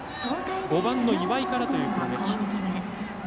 ５番の岩井からという攻撃。